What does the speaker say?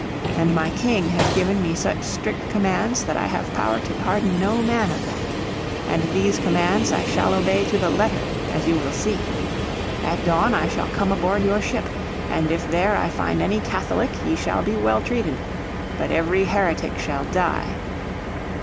And my King has given me such strict commands that I have power to pardon no man of them. And those commands I shall obey to the letter, as you will see. At dawn I shall come aboard your ship. And if there I find any Catholic he shall be well treated, but every heretic shall die."